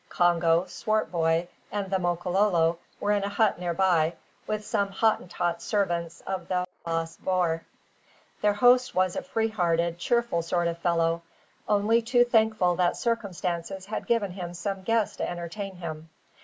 Congo, Swartboy, and the Makololo were in a hut near by, with some Hottentot servants of the baas boer. Their host was a free hearted, cheerful sort of fellow, only too thankful that circumstances had given him some guests to entertain him.